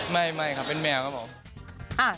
ไม่ครับเป็นแมวครับผม